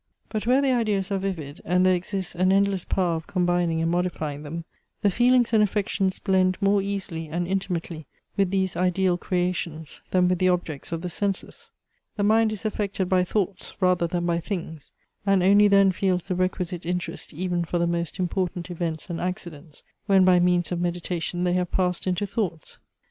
But where the ideas are vivid, and there exists an endless power of combining and modifying them, the feelings and affections blend more easily and intimately with these ideal creations than with the objects of the senses; the mind is affected by thoughts, rather than by things; and only then feels the requisite interest even for the most important events and accidents, when by means of meditation they have passed into thoughts.